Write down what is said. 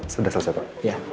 sudah selesai pak